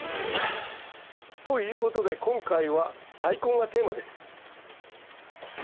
ということで今回はダイコンがテーマです。